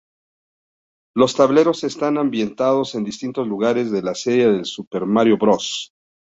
Los tableros están ambientados en distintos lugares la serie de Super Mario Bros.